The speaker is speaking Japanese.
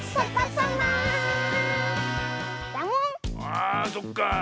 あそっか。